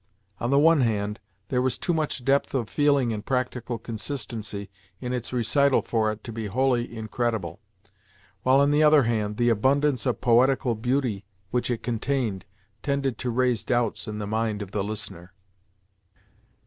On the one hand, there was too much depth of feeling and practical consistency in its recital for it to be wholly incredible, while, on the other hand, the abundance of poetical beauty which it contained tended to raise doubts in the mind of the listener.